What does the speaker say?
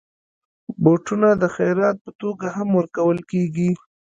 بوټونه د خيرات په توګه هم ورکول کېږي.